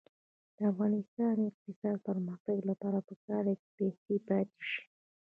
د افغانستان د اقتصادي پرمختګ لپاره پکار ده چې پیسې پاتې شي.